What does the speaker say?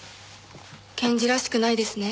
検事らしくないですね。